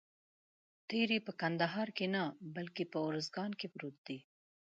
تیری په کندهار کې نه بلکې په اوروزګان کې پروت دی.